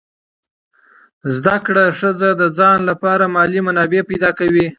زده کړه ښځه د ځان لپاره مالي منابع پیدا کوي.